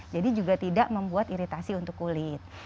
jadi juga tidak membuat iritasi untuk kulit